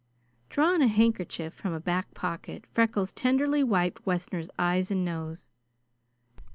Drawing a handkerchief from a back pocket, Freckles tenderly wiped Wessner's eyes and nose.